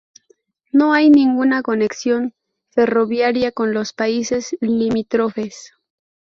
No hay ninguna conexión ferroviaria con los países limítrofes.